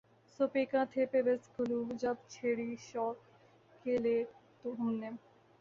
سو پیکاں تھے پیوست گلو جب چھیڑی شوق کی لے ہم نے